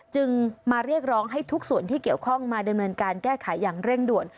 จึงมาเรียกร้องให้ทุกส่วนที่เกี่ยวข้องมาดำเนินการแก้ไขอย่างเร่งด่วน